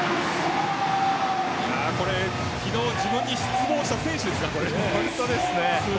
これが昨日自分に失望した選手ですか。